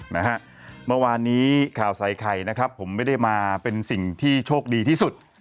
เมื่อวานนี้ข่าวใส่ไข่นะครับผมไม่ได้มาเป็นสิ่งที่โชคดีที่สุด